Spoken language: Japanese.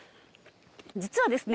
実はですね